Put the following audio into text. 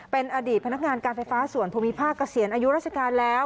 เป็นอดีตพนักงานการไฟฟ้าส่วนภูมิภาคเกษียณอายุราชการแล้ว